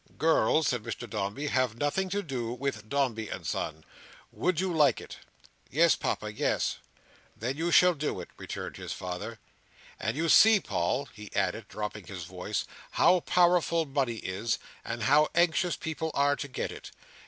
"Girls," said Mr Dombey, "have nothing to do with Dombey and Son. Would you like it?" "Yes, Papa, yes!" "Then you shall do it," returned his father. "And you see, Paul," he added, dropping his voice, "how powerful money is, and how anxious people are to get it.